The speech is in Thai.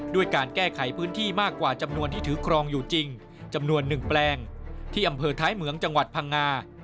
ด้วยการแก้ไขพื้นที่มากกว่าจำนวนที่ถือครองอยู่จริงจำนวน๑แปลงที่อำเภอท้ายเหมืองจังหวัดพังงา